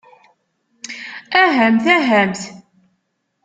Ahamt, ahamt.